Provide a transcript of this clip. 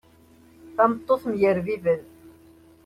Tameṭṭut mm yerbiben.